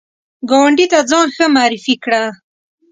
ګاونډي ته ځان ښه معرفي کړه